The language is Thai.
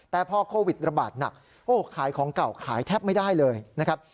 แต่พอโควิดระบาดหนักโอ้ขายของเก่าขายแทบไม่ได้เลยนะครับ